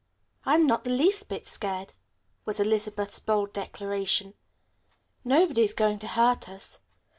"I'm not the least bit scared," was Elizabeth's bold declaration. "Nobody is going to hurt us.